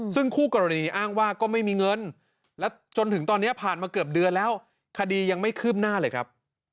ซึ่งคู่กรณีอ้างว่าก็ไม่มีเงินและจนถึงตอนนี้ผ่านมาเกือบเดือนแล้วคดียังไม่คืบหน้าเลยครับ